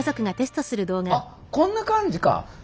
あっこんな感じか。